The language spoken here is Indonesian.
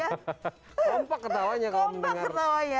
kompak ketawanya kalau mendengar ng war nya ya